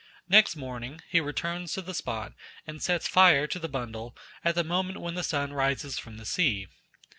Next morning he returns to the spot and sets fire to the bundle at the moment when the sun rises from the sea.